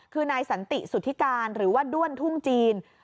คือนายสันติสุธิการหรือว่าด้วนทุ่งจีน